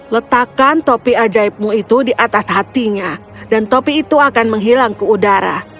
letakkan topi ajaibmu itu di atas hatinya dan topi itu akan menghilang ke udara